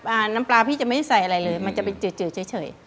อ่าน้ำปลาพี่จะไม่ใส่อะไรเลยมันจะเป็นจืดจืดเฉยเฉยอ๋อ